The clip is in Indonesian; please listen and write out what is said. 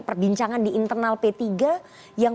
perbincangan di internal p tiga yang